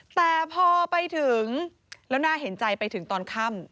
แต่พอไปถึงแล้วน่าเห็นใจไปถึงตอนค่ำ